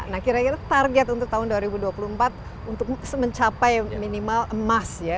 nah kira kira target untuk tahun dua ribu dua puluh empat untuk mencapai minimal emas ya